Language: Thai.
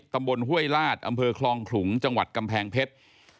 ห้วยลาดอำเภอคลองขลุงจังหวัดกำแพงเพชร